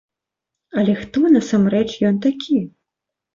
Але хто, насамрэч, ён такі?